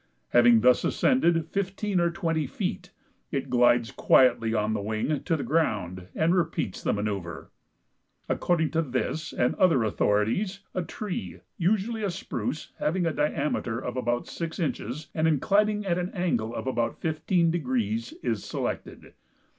Having thus ascended fifteen or twenty feet it glides quietly on the wing to the ground and repeats the maneuver." According to this and other authorities a tree, usually spruce, having a diameter of about six inches and inclining at an angle of about fifteen degrees, is selected.